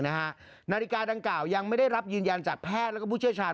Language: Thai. นาฬิกาดังกล่าวยังไม่ได้รับยืนยันจากแพทย์และผู้เชี่ยวชาญ